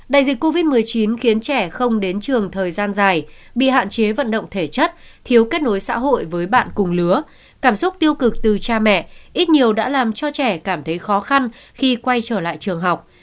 đại dịch covid một mươi chín khiến trẻ không đến trường thời gian dài bị hạn chế vận động thể chất thiếu kết nối xã hội với bạn cùng lứa cảm xúc tiêu cực từ cha mẹ ít nhiều đã làm cho trẻ cảm thấy khó khăn khi quay trở lại trường học